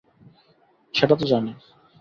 সেটা তো জানি।